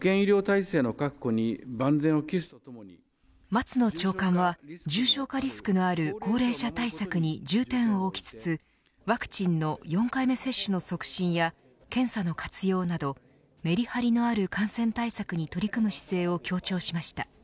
松野長官は重症化リスクのある高齢者対策に重点を置きつつワクチンの４回目接種の促進や検査の活用などメリハリのある感染対策に取り組む姿勢を強調しました。